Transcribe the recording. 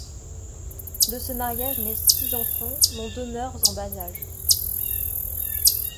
De ce mariage naissent six enfants, dont deux meurent en bas âge.